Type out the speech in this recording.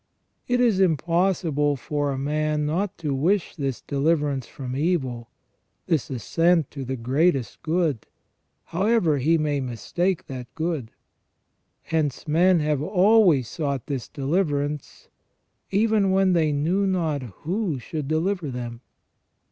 It is impossible for a man not to 1 1 o CREA TION AND PRO VIDENCE. wish this deliverance from evil, this ascent to the greatest good, however he may mistake that good. Hence men have always sought this deliverance, even when they knew not who should deliver them.